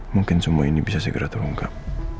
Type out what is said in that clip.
mungkin semua ini bisa segera terungkap